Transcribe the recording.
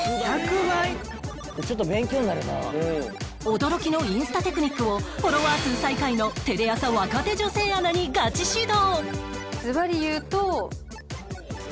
驚きのインスタテクニックをフォロワー数最下位のテレ朝若手女性アナにガチ指導！